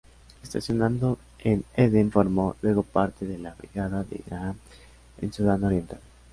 Estacionado en Aden formó luego parte de la brigada de Graham en Sudán Oriental.